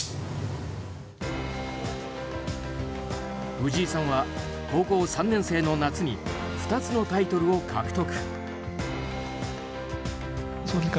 藤井さんは高校３年生の夏に２つのタイトルを獲得。